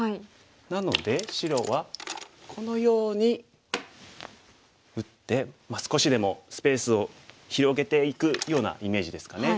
なので白はこのように打って少しでもスペースを広げていくようなイメージですかね。